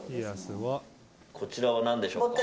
こちらは何でしょうか。